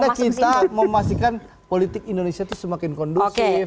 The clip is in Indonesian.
karena kita memastikan politik indonesia itu semakin kondusif